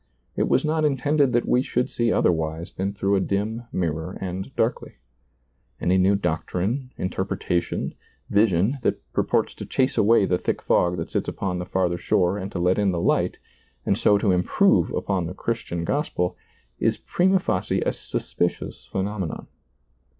It was not intended that we should see otherwise than through a dim mirror and darkly. Any new doctrine, interpretation, vision, that pur ports to chase away the thick fog that sits upon the farther shore and to let in the light, and so to ^lailizccbvGoOgle SEEING DARKLY 31 improve upon the Christian Gospel, \s prima facie a suspicious phenomenon.